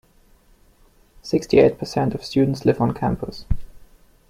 Sixty-eight percent of students live on campus.